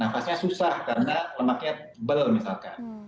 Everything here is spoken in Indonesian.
nafasnya susah karena lemaknya tebal misalkan